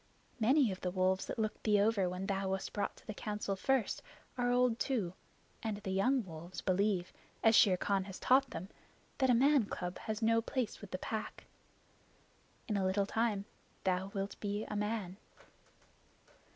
Many of the wolves that looked thee over when thou wast brought to the Council first are old too, and the young wolves believe, as Shere Khan has taught them, that a man cub has no place with the Pack. In a little time thou wilt be a man."